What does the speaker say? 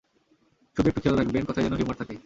শুধু একটু খেয়াল রাখবেন, কথায় যেন হিউমার থাকে!